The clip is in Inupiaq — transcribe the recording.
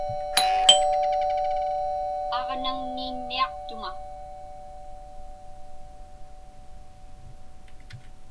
Aġnaŋniinniaqtuŋa.